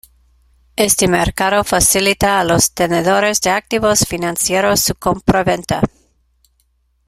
Este mercado facilita a los tenedores de activos financieros su compraventa.